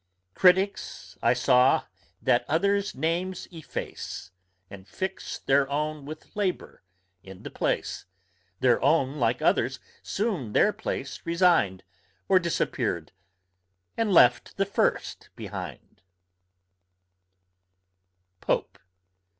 Criticks, I saw, that other's names efface, And fix their own, with labour, in the place; Their own, like others, soon their place resign'd, Or disappear'd, and left the first behind, POPE.